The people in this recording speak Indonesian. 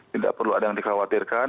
tidak perlu ada yang dikhawatirkan